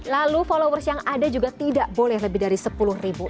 lalu followers yang ada juga tidak boleh lebih dari sepuluh ribu